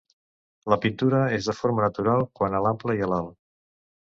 La pintura és de forma natural quant a l'ample i l'alt.